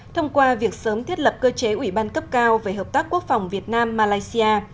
thông qua việc sớm thiết lập cơ chế ủy ban cấp cao về hợp tác quốc phòng việt nam malaysia